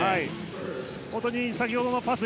本当に、先ほどのパス